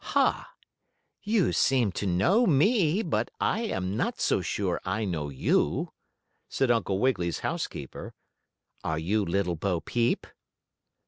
"Ha! You seem to know me, but I am not so sure I know you," said Uncle Wiggily's housekeeper. "Are you Little Bo Peep?"